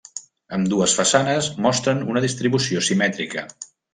Ambdues façanes mostren una distribució simètrica.